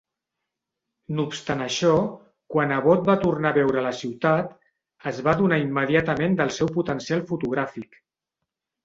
No obstant això, quan Abbott va tornar a veure la ciutat, es va adonar immediatament del seu potencial fotogràfic.